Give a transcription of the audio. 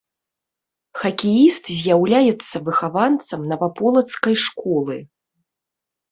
Хакеіст з'яўляецца выхаванцам наваполацкай школы.